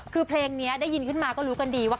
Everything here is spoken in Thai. คือเพลงนี้ได้ยินขึ้นมาก็รู้กันดีว่า